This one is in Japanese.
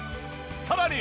さらに。